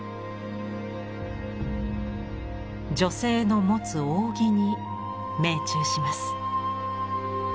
女性の持つ扇に命中します。